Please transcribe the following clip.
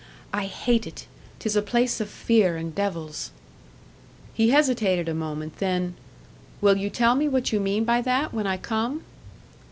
"I hate it! 'Tis a place of fear and devils!" He hesitated a moment; then, "Will you tell me what you mean by that when I come?"